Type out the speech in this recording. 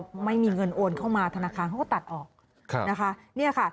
พอไม่มีเงินโอนเข้ามาธนาคารเขาก็ตัดออกนะคะเนี่ยค่ะ